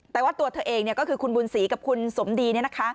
แต่ว่าตัวเธอเองก็คือคุณบุญศรีกับคุณสมดี